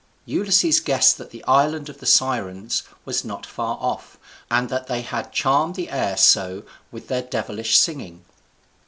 Ulysses guessed that the island of the Sirens was not far off, and that they had charmed the air so with their devilish singing.